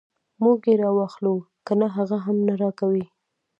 موږ یې راواخلو کنه هغه هم نه راکوي.